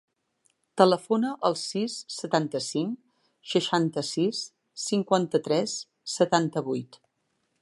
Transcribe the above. Telefona al sis, setanta-cinc, seixanta-sis, cinquanta-tres, setanta-vuit.